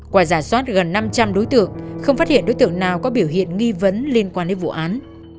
qua giả soát gần năm trăm linh đối tượng không phát hiện đối tượng nào có biểu hiện nghi vấn liên quan đến vụ án